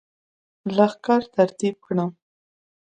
لښکر ترتیب کړم.